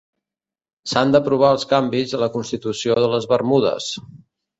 S'han d'aprovar els canvis a la Constitució de les Bermudes.